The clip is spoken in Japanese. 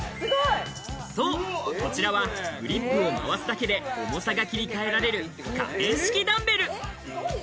そう、こちらはグリップを回すだけで重さが切り替えられる可変式ダンベル。